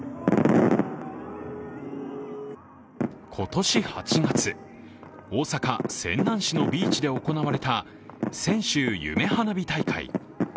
今年８月、大阪・泉南市のビーチで行われた泉州夢花火大会。